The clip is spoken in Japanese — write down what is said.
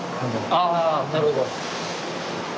ああなるほど。